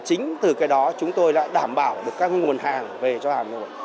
chính từ cái đó chúng tôi đã đảm bảo được các nguồn hàng về cho hà nội